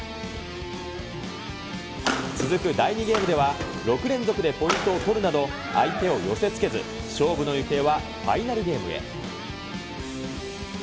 続く第２ゲームで、６連続でポイントを取るなど、相手を寄せつけず、勝負の行方はファイナルゲームへ。